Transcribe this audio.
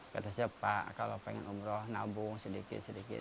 kata saya pak kalau pengen umroh nabung sedikit sedikit